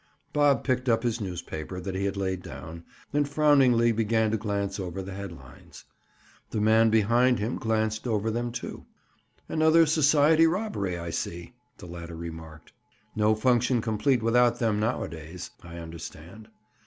Bob picked up his newspaper that he had laid down, and frowningly began to glance over the head lines. The man behind him glanced over them, too. "Another society robbery, I see," the latter remarked. "No function complete without them nowadays, I understand.